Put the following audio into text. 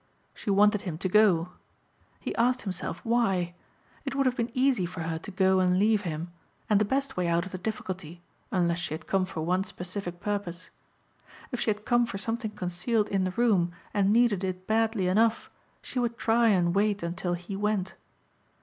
She wanted him to go. He asked himself why. It would have been easy for her to go and leave him, and the best way out of the difficulty, unless she had come for one specific purpose. If she had come for something concealed in the room and needed it badly enough she would try and wait until he went.